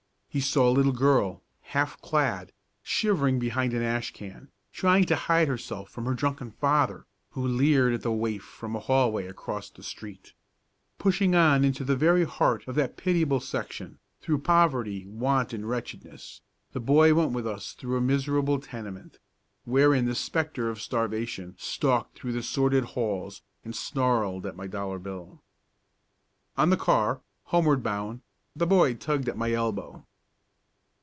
He saw a little girl, half clad, shivering behind an ash can, trying to hide herself from her drunken father, who leered at the waif from a hallway across the street. Pushing on into the very heart of that pitiable section, through poverty, want and wretchedness, the boy went with us through a miserable tenement, wherein the spectre of Starvation stalked through the sordid halls and snarled at my dollar bill. On the car, homeward bound, the boy tugged at my elbow.